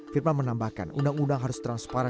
firman menambahkan undang undang harus transparan